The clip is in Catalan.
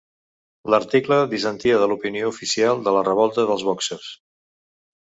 L'article dissentia de l'opinió oficial de la revolta dels bòxers.